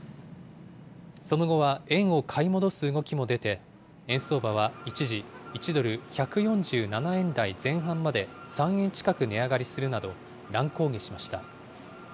その後は円を買い戻す動きも出て、円相場は一時１ドル１４７円台前半まで３円近く値上がりするなど、乱高下しました。